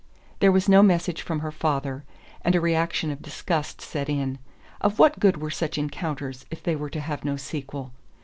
There was no message from her father, and a reaction of disgust set in. Of what good were such encounters if they were to have no sequel?